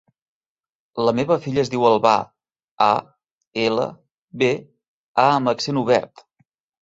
La meva filla es diu Albà: a, ela, be, a amb accent obert.